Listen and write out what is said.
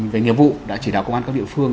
về nghiệp vụ đã chỉ đạo công an các địa phương